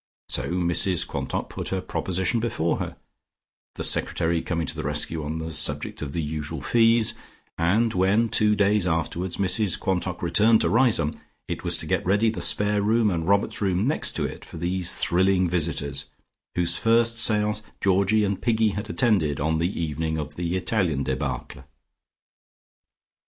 So Mrs Quantock put her proposition before her, the secretary coming to the rescue on the subject of the usual fees, and when two days afterwards Mrs Quantock returned to Riseholme, it was to get ready the spare room and Robert's room next to it for these thrilling visitors, whose first seance Georgie and Piggy had attended, on the evening of the Italian debacle....